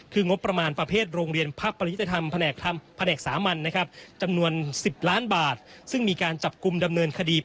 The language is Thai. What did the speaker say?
คืองบประมาณประเภทโรงเรียนพระพลิทธธรรมแผนกสามัญ